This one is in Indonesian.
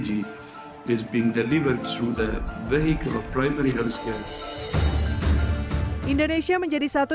indonesia menjadi satu